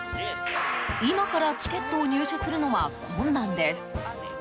今からチケットを入手するのは困難です。